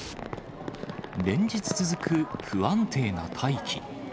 連日続く不安定な大気。